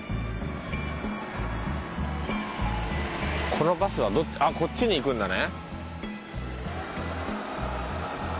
このバスはあっこっちに行くんだね。